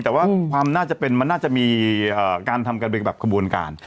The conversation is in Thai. แต่ว่าความน่าจะเป็นมันน่าจะมีการทำกันเป็นแบบขบวนการ